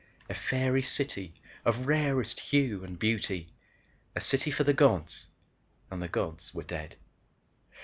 A fairy city of rarest hue and beauty. A city for the Gods and the Gods were dead.